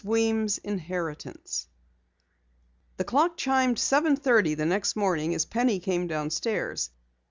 WEEMS' INHERITANCE_ The clock chimed seven thirty the next morning as Penny came downstairs.